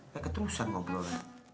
ya keterusan ngobrol